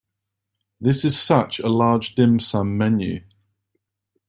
This is such a large dim sum menu.